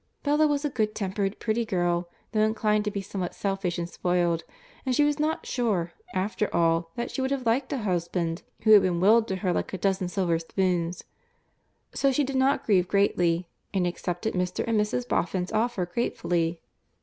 Bella was a good tempered, pretty girl, though inclined to be somewhat selfish and spoiled, and she was not sure, after all, that she would have liked a husband who had been willed to her like a dozen silver spoons; so she did not grieve greatly, and accepted Mr. and Mrs. Boffin's offer gratefully.